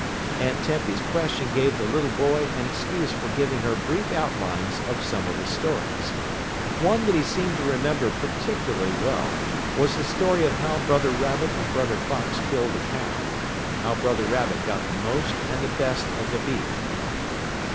Aunt Tempy's question gave the little boy an excuse for giving her brief outlines of some of the stories. One that he seemed to remember particularly well was the story of how Brother Rabbit and Brother Fox killed a cow, and how Brother Rabbit got the most and the best of the beef.